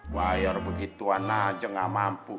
bayar begituan aja gak mampu